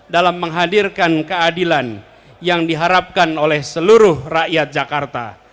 dalam menghadirkan keadilan yang diharapkan oleh seluruh rakyat jakarta